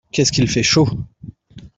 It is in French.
Qu'est-ce qu'il fait chaud !